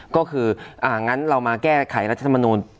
ก็คืออ่างั้นเรามาแก้ไขรัฐมนุษย์